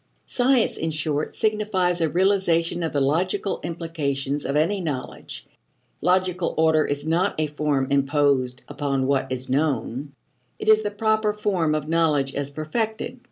Science, in short, signifies a realization of the logical implications of any knowledge. Logical order is not a form imposed upon what is known; it is the proper form of knowledge as perfected.